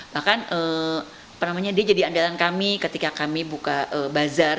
bahkan dia jadi andalan kami ketika kami buka bazar